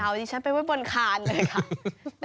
อย่าเอาที่ฉันไปบนคานเลยค่ะ